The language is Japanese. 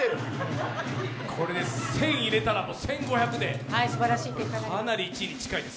これで１０００入れたら１５００でかなり１位に近いです。